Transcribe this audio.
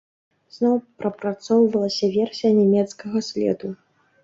Зноў прапрацоўвалася версія нямецкага следу.